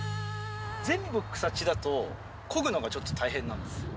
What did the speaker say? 全部草地だと、こぐのがちょっと大変なんですよ。